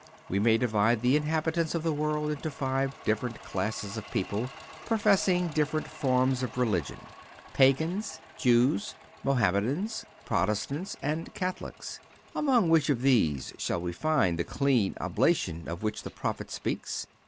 We may divide the inhabitants of the world into five different classes of people, professing different forms of religion—Pagans, Jews, Mohammedans, Protestants and Catholics. Among which of these shall we find the clean oblation of which the prophet speaks?